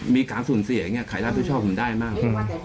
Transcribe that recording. มีการสุียไข่ทัพผู้ชอบผมได้บ้าง